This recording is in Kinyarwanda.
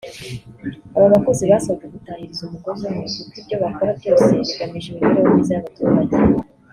Aba bakozi basabwe gutahiriza umugozi umwe kuko ibyo bakora byose bigamije imibereho myiza y’abaturage